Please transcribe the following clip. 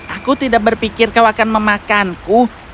aku tidak berpikir kau akan memakanku